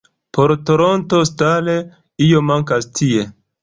Por "Toronto Star", ""Io mankas tie.